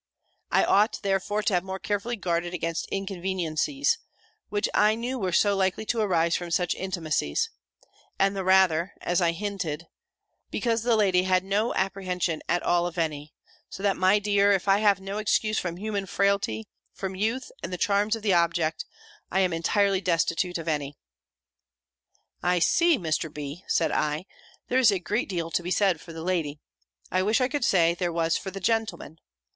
I ought, therefore, to have more carefully guarded against inconveniencies, which I knew were so likely to arise from such intimacies; and the rather, as I hinted, because the lady had no apprehension at all of any: so that, my dear, if I have no excuse from human frailty, from youth, and the charms of the object, I am entirely destitute of any." "I see, Mr. B.," said I, "there is a great deal to be said for the lady. I wish I could say there was for the gentleman.